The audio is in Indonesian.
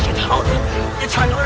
nih mas kali ini ada tuyul